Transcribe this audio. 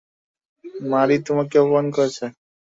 মারি তোমাকে অপমান করেছে।